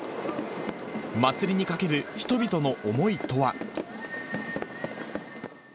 祭りにかける人々の思いとは。